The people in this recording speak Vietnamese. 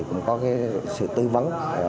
cũng có sự tư vấn